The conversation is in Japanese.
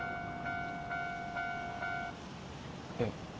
えっ？